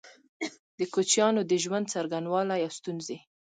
د کوچيانو د ژوند څرنګوالی او ستونزي